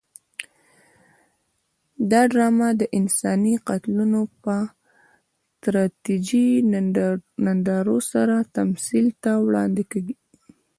دا ډرامه د انساني قتلونو په تراژیدي نندارو سره تمثیل ته وړاندې کېږي.